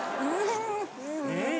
うん！